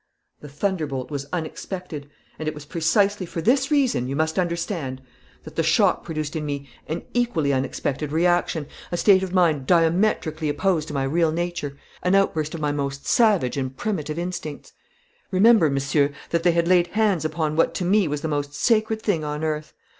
"The thunderbolt was unexpected. And it was precisely for this reason, you must understand, that the shock produced in me an equally unexpected reaction, a state of mind diametrically opposed to my real nature, an outburst of my most savage and primitive instincts. Remember, Monsieur, that they had laid hands upon what to me was the most sacred thing on earth.